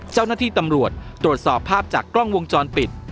เจ้าหน้าที่ตำรวจตรวจสอบภาพจากกล้องวงจรปิด